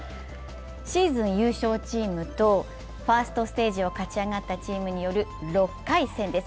シーズン優勝チームとファーストステージを勝ち上がったチームによる６回戦です。